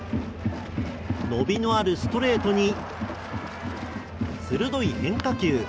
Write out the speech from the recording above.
伸びのあるストレートに鋭い変化球。